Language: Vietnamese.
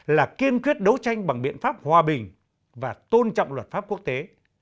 là kiên quyết đấu tranh bằng biện pháp hòa bình và tôn trọng luật pháp quốc tế